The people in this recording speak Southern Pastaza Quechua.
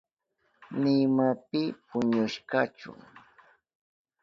Nima pi puñushkachu.